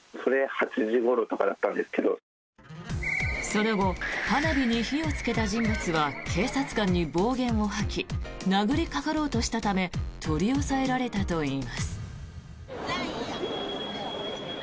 その後花火に火をつけた人物は警察官に暴言を吐き殴りかかろうとしたため取り押さえられたといいます。